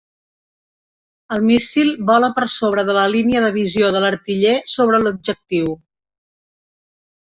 El míssil vola per sobre de la línia de visió de l'artiller sobre l'objectiu.